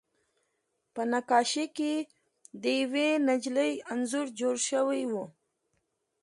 په نقاشۍ کې د یوې نجلۍ انځور جوړ شوی و